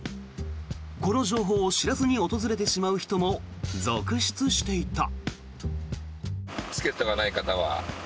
この情報を知らずに訪れてしまう人も続出していた。